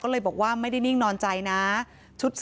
เหตุการณ์เกิดขึ้นแถวคลองแปดลำลูกกา